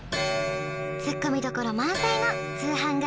ツッコミどころ満載の通販